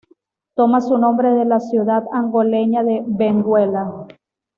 Toma su nombre de la ciudad angoleña de Benguela.